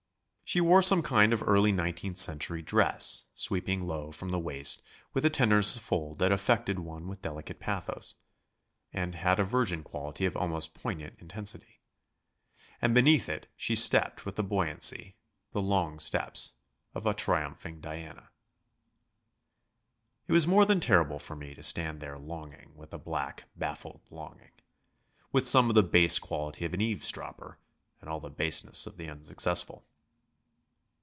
She wore some kind of early nineteenth century dress, sweeping low from the waist with a tenderness of fold that affected one with delicate pathos, that had a virgin quality of almost poignant intensity. And beneath it she stepped with the buoyancy the long steps of a triumphing Diana. It was more than terrible for me to stand there longing with a black, baffled longing, with some of the base quality of an eavesdropper and all the baseness of the unsuccessful.